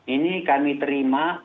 ini kami terima pada